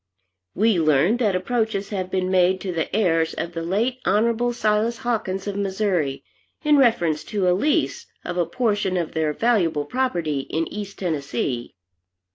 We learn that approaches have been made to the heirs of the late Hon. Silas Hawkins of Missouri, in reference to a lease of a portion of their valuable property in East Tennessee.